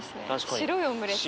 白いオムレツ。